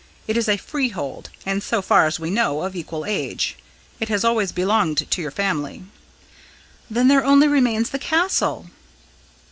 It is a freehold, and, so far as we know, of equal age. It has always belonged to your family." "Then there only remains the Castle!"